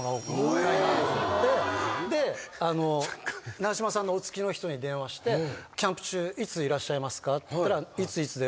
長嶋さんのお付きの人に電話して「キャンプ中いついらっしゃいますか？」って言ったら「いついつだよ」